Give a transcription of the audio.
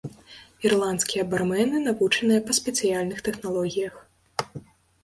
Ірландскія бармэны навучаныя па спецыяльных тэхналогіях.